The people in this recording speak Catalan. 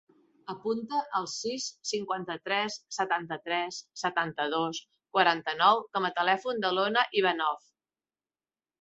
Apunta el sis, cinquanta-tres, setanta-tres, setanta-dos, quaranta-nou com a telèfon de l'Ona Ivanov.